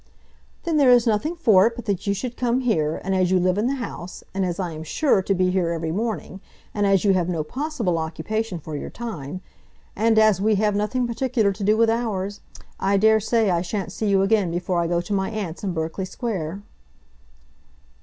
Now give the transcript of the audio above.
"Then there is nothing for it but that you should come here; and as you live in the house, and as I am sure to be here every morning, and as you have no possible occupation for your time, and as we have nothing particular to do with ours, I daresay I shan't see you again before I go to my aunt's in Berkeley Square."